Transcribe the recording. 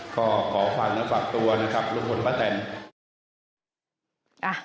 ก็ขอฝากเนื้อฝากตัวนะครับลุงพลพระแตน